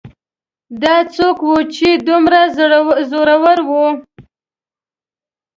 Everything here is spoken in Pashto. دا څوک و چې دومره زړور و